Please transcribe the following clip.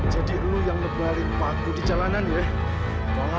jadi lu yang nebari paku di jalanan ya